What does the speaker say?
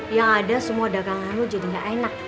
yang ada semua dagangan lo jadi gak enak